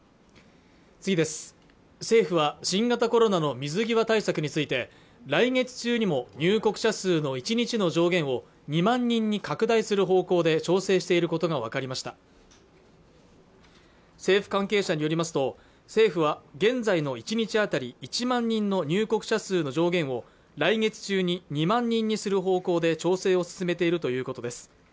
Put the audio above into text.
政府は新型コロナの水際対策について来月中にも入国者数の１日の上限を２万人に拡大する方向で調整していることが分かりました政府関係者によりますと政府は現在の１日当たり１万人の入国者数の上限を来月中に２万人にする方向で調整を進めているということです